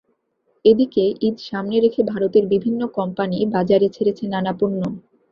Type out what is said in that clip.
এদিকে ঈদ সামনে রেখে ভারতের বিভিন্ন কোম্পানি বাজারে ছেড়েছে নানা পণ্য।